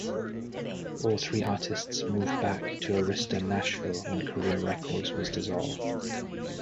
All three artists moved back to Arista Nashville when Career Records was dissolved.